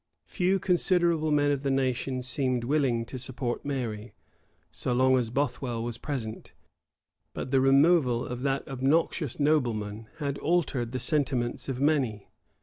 Few considerable men of the nation seemed willing to support Mary, so long as Bothwell was present; but the removal of that obnoxious nobleman had altered the sentiments of many.